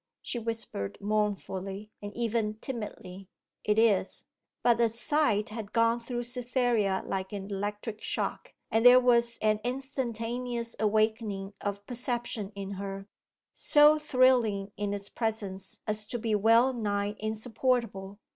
she whispered mournfully, and even timidly. 'It is.' But the sight had gone through Cytherea like an electric shock, and there was an instantaneous awakening of perception in her, so thrilling in its presence as to be well nigh insupportable.